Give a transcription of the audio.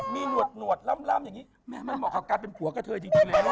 มีหนวดล้ำอย่างนี้มันเหมาะกับการเป็นผัวกถสดิจริงแหละ